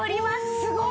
すごい！